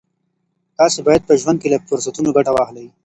تاسي باید په ژوند کي له فرصتونو ګټه واخلئ.